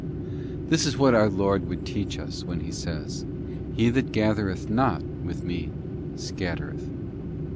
This is what our Lord would teach us when He says, ' He that gathereth not with me scattereth.